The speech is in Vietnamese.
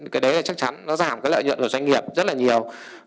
cái đấy thì chắc chắn nó giảm cái lợi nhuận của doanh nghiệp rất là nhiều